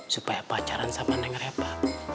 supaya pacaran sama neng repah